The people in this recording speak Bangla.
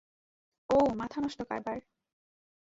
ওউ, মাথা নষ্ট কারবার।